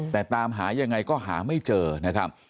แต่ตามหายังไงก็หาไม่เจอนะครับ